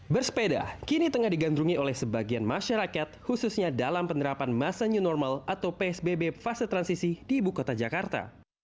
bersepeda kini tengah digandrungi oleh sebagian masyarakat khususnya dalam penerapan masa new normal atau psbb fase transisi di ibu kota jakarta